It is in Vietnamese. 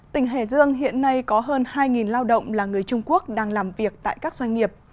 tỉnh hải dương hiện nay có hơn hai lao động là người trung quốc đang làm việc tại các doanh nghiệp